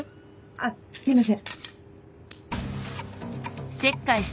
あすいません。